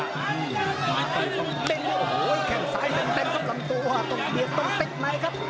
มาเกาะตรงเต้นโอ้โหแข่งซ้ายเต็มกับลำโตตรงเกียจตรงติ๊กไนท์ครับ